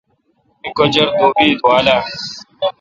می کچر دوبی اے°دُوال اہ۔